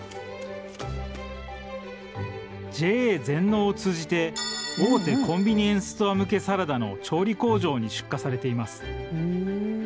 ＪＡ全農を通じて大手コンビニエンスストア向けサラダの調理工場に出荷されています。